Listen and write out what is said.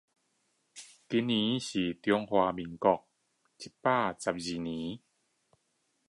今年是中華民國一百一十二年